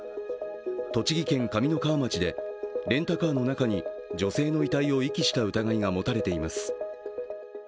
栃木県上三川町でレンタカーの中に女性の遺体を遺棄した疑いが持たれています。